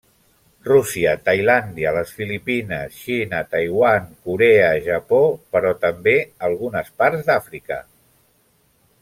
Rússia, Tailàndia, Les Filipines, Xina, Taiwan, Corea, Japó, però també algunes parts d'Àfrica.